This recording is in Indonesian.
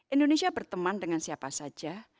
indonesia berteman dengan siapa saja